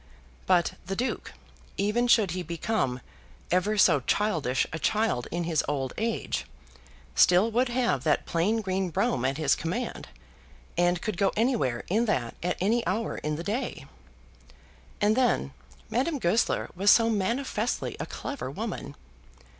But the Duke, even should he become ever so childish a child in his old age, still would have that plain green brougham at his command, and could go anywhere in that at any hour in the day. And then Madame Goesler was so manifestly a clever woman.